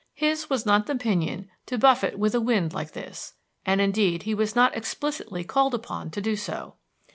His was not the pinion to buffet with a wind like this, and indeed he was not explicitly called upon to do so.